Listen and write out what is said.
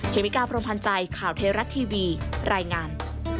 เมกาพรมพันธ์ใจข่าวเทราะทีวีรายงาน